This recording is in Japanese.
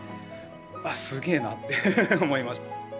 うわっすげえなって思いましたね。